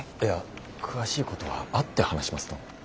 いや詳しいことは会って話しますと。